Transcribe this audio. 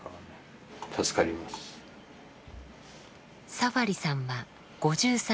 サファリさんは５３歳。